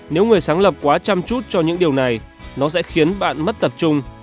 nếu người sáng lập quá chăm chút cho những điều này nó sẽ khiến bạn mất tập trung